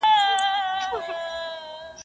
موږ په خټه او په اصل پاچاهان یو .